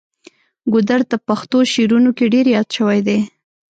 ګودر د پښتو شعرونو کې ډیر یاد شوی دی.